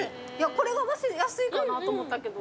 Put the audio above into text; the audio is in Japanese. これが合わせやすいかなと思ったけど。